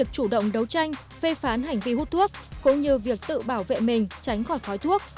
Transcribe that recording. chủ động đấu tranh phê phán hành vi hút thuốc cũng như việc tự bảo vệ mình tránh khỏi khói thuốc